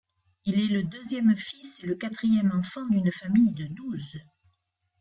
Il est le deuxième fils et le quatrième enfant d'une famille de douze.